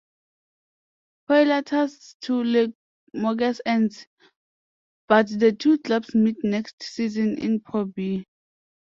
Poitiers to Limoges ends, but the two clubs meet next season in Pro B.